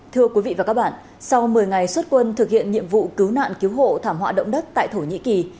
thưa quý vị và các bạn sau một mươi ngày xuất quân thực hiện nhiệm vụ cứu nạn cứu hộ thảm họa động đất tại thổ nhĩ kỳ